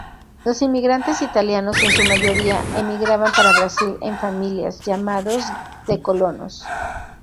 Los inmigrantes italianos, en su mayoría, emigraban para Brasil en familias, llamados de "colonos".